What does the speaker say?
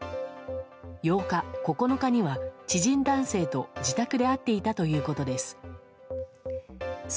８日、９日には知人男性と自宅で会っていたということです。